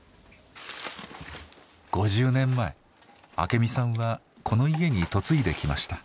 ５０年前明美さんはこの家に嫁いできました。